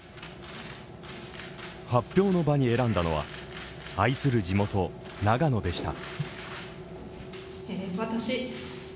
発表の場に選んだのは愛する地元・長野でした。